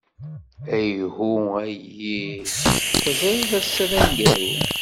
Ayhuh a yyi! Teẓrid ass-a d aneggaru.